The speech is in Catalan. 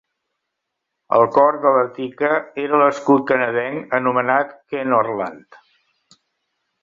El cor de l'Artica era l'escut canadenc anomenat Kenorland.